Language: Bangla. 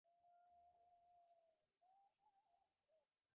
আমরা কাজ শুরু করার আগেই সে ফিরে আসবে।